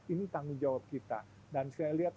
ini tanggung jawab kita dan saya lihat